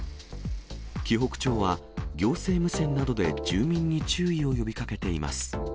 紀北町は、行政無線などで住民に注意を呼びかけています。